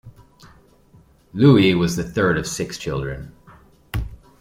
Louis was the third of six children.